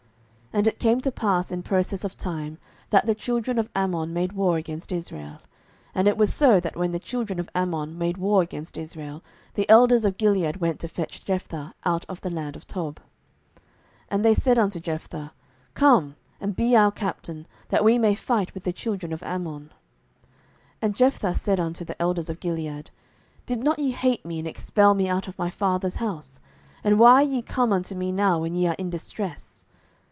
07:011:004 And it came to pass in process of time, that the children of Ammon made war against Israel. 07:011:005 And it was so, that when the children of Ammon made war against Israel, the elders of Gilead went to fetch Jephthah out of the land of Tob: 07:011:006 And they said unto Jephthah, Come, and be our captain, that we may fight with the children of Ammon. 07:011:007 And Jephthah said unto the elders of Gilead, Did not ye hate me, and expel me out of my father's house? and why are ye come unto me now when ye are in distress?